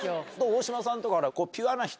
大島さんとか。